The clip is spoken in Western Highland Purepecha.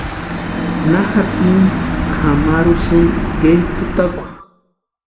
¿Na jatini kʼamarhusïni ketsʼïtakwa?